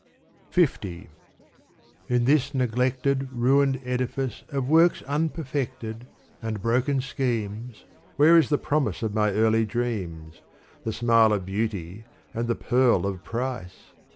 In this neglected, ruined edifice Of works unperfected and broken schemes, Where is the promise of my early dreams, The smile of beauty and the pearl of price